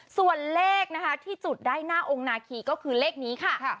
ส่วนเลขนะคะที่จุดได้หน้าองค์นาคีก็คือเลขนี้ค่ะ